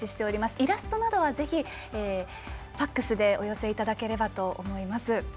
イラストなどは、ぜひＦＡＸでお寄せいただければと思います。